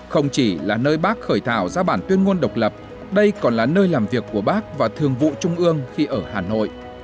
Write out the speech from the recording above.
không chỉ là nơi bác khởi thảo ra bản tuyên ngôn độc lập đây còn là nơi làm việc của bác và thường vụ trung ương khi ở hà nội